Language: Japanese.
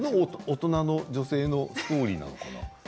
大人の女性のストーリーなのかな。